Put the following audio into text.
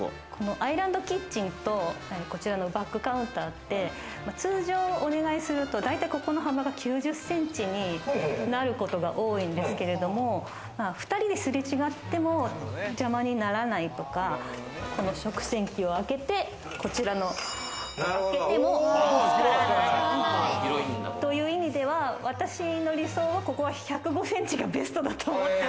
アイランドキッチンとバックカウンターって、通常お願いすると、ここの幅が９０ｃｍになることが多いんですけど、２人ですれ違っても邪魔にならないとか、この食洗機を開けて、ぶつからないという意味では、私の理想は、ここは１０５ｃｍがベストだと。